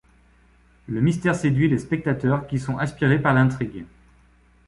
Le mystère séduit les spectateurs qui sont aspirés par l’intrigue.